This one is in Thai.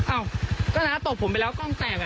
อ้าวก็น้าตบผมไปแล้วกล้องแตก